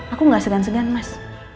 aku gak segan segan mas